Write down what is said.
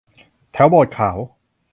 แถวโบสถ์ขาว